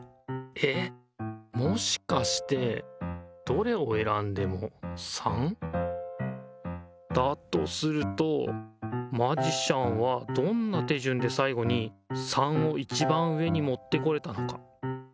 えっもしかしてどれをえらんでも３？だとするとマジシャンはどんな手順でさいごに３をいちばん上にもってこれたのか。